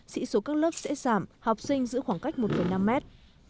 sĩ số các lớp sẽ giảm học sinh giữ khoảng cách một năm mét